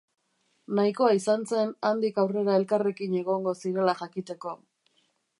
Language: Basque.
Nahikoa izan zen handik aurrera elkarrekin egongo zirela jakiteko.